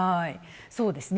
そうですね。